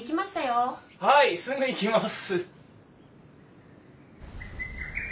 はいすぐ行きます！